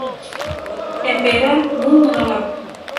Emperor Mu menolak.